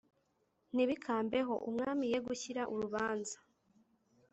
Ntibikambeho! Umwami ye gushyira urubanza